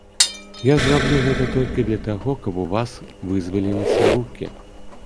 Я ж раблю гэта толькі для таго, каб у вас вызваліліся рукі.